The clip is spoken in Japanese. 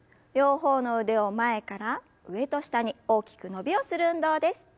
両方の腕を前から上と下に大きく伸びをする運動です。